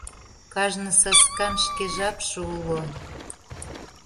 Кажне саскан шке жапше уло.